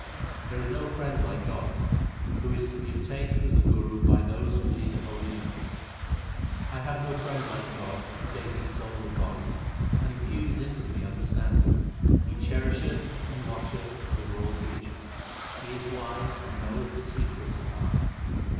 There is no friend like God, who is to be obtained through the Guru by those who lead a holy life : I have no friend like God Who gave me soul and body, and infused into me under standing. He cherisheth and watcheth over all creatures ; He is wise and knoweth the secrets of hearts.